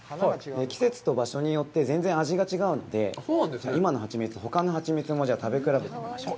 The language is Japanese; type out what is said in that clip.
季節と場所によって全然味が違うので、今のハチミツ、ほかのハチミツも食べ比べてみましょうか。